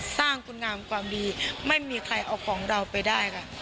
สร้างคุณงามความดีไม่มีใครเอาของเราไปได้ค่ะ